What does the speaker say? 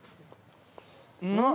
うまっ。